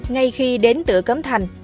ngay khi đến tựa cấm thành